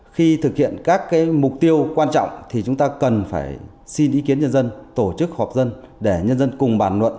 khi thực hiện các mục tiêu quan trọng thì chúng ta cần phải xin ý kiến nhân dân tổ chức họp dân để nhân dân cùng bàn luận